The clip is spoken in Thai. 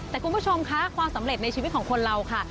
แต่คุณผู้ชมค่ะความสำเร็จในชีวิตของคนเราค่ะ